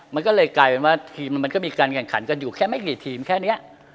มันก็เลยกลายเป็นว่าทีมมันก็มีการแข่งขันกันอยู่แค่ไม่กี่ทีมแค่นี้